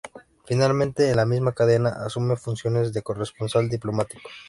Finalmente, en la misma cadena, asume funciones de corresponsal diplomático.